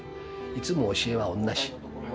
いつも教えは同じ。